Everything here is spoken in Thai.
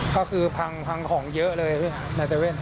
ก็คือพังของเยอะเลยในเตเว่น